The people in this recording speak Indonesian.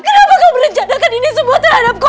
kenapa kau berencanakan ini semua terhadapku